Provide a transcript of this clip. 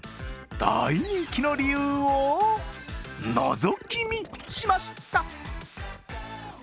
大人気の理由をのぞき見しました。